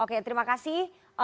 oke terima kasih